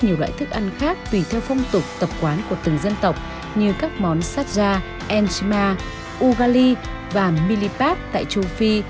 nhiều loại thức ăn khác tùy theo phong tục tập quán của từng dân tộc như các món sát ra enzima ugali và milipap tại châu phi